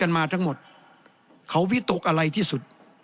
แสดงว่าความทุกข์มันไม่ได้ทุกข์เฉพาะชาวบ้านด้วยนะ